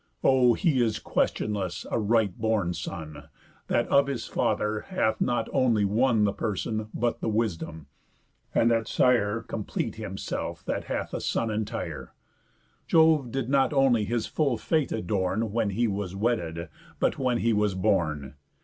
O he is questionless a right born son, That of his father hath not only won The person but the wisdom; and that sire Complete himself that hath a son entire, Jove did not only his full fate adorn, When he was wedded, but when he was born.